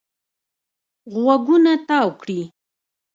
غوږونه تاو کړي.